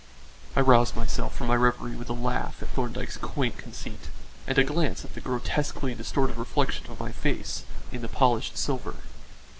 I roused myself from my reverie with a laugh at Thorndyke's quaint conceit and a glance at the grotesquely distorted reflection of my face in the polished silver.